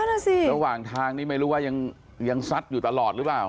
อ่ะสิระหว่างทางนี้ไม่รู้ว่ายังซัดอยู่ตลอดหรือเปล่า